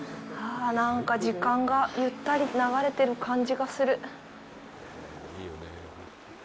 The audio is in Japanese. あ、なんか時間がゆったり流れてる感じがする。